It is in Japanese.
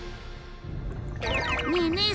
ねえねえ